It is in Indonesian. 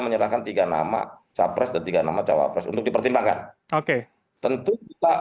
menyerahkan tiga nama capres dan tiga nama cawapres untuk dipertimbangkan oke tentu kita